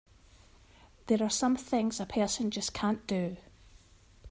There are some things a person just can't do!